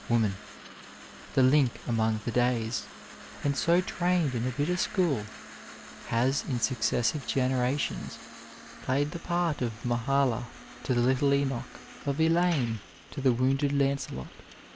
Woman, *' the link among the days," and so trained in a bitter school, has, in successive generations, played the part of Mahala to the little Enoch, of Elaine to the wounded Lancelot.